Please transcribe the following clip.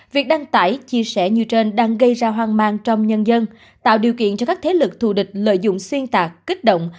việc đăng tải chia sẻ như trên đang gây ra hoang mang trong nhân dân tạo điều kiện cho các thế lực thù địch lợi dụng xuyên tạc kích động